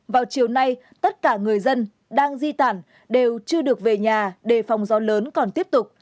vào chiều nay tất cả người dân đang di tản đều chưa được về nhà đề phòng gió lớn còn tiếp tục